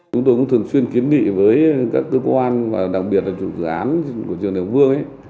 chúng tôi cũng thường xuyên kiến nghị với các cơ quan đặc biệt là dự án của trường đại học vương